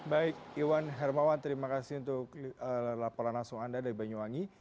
baik iwan hermawan terima kasih untuk laporan langsung anda dari banyuwangi